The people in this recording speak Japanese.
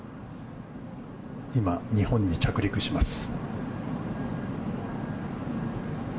今、日本に着陸します。